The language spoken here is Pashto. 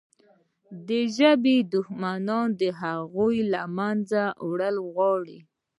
د ژبې دښمنان د هغې له منځه وړل غواړي.